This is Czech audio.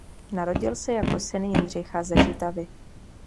Narodil se jako syn Jindřicha ze Žitavy.